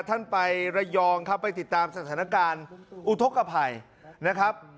ท่านไประยองครับไปติดตามสถานการณ์อุทธกภัยนะครับ